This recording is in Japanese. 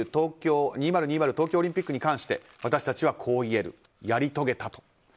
東京オリンピックに関して私たちはこう言えるやり遂げたと。